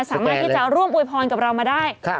สามารถที่จะร่วมอวยพรกับเรามาได้